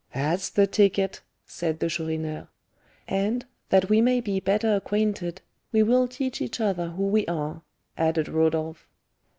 "That's the ticket!" said the Chourineur. "And, that we may be better acquainted, we will tell each other who we are," added Rodolph.